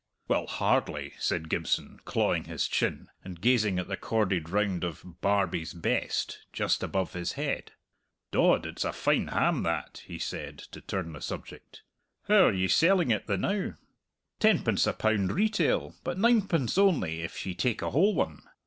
"Well, hardly," said Gibson, clawing his chin, and gazing at a corded round of "Barbie's Best" just above his head. "Dod, it's a fine ham that," he said, to turn the subject. "How are ye selling it the now?" "Tenpence a pound retail, but ninepence only if ye take a whole one.